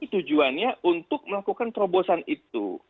tujuannya untuk melakukan terobosan itu